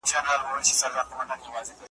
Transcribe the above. له تارونو دي را وایستل تورونه .